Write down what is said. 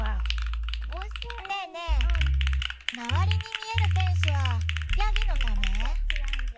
ねえねえ周りに見えるフェンスはヤギのため？